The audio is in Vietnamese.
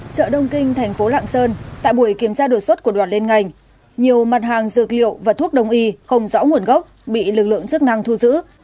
chợ đông kinh thành phố lạng sơn tại buổi kiểm tra đột xuất của đoàn liên ngành nhiều mặt hàng dược liệu và thuốc đông y không rõ nguồn gốc bị lực lượng chức năng thu giữ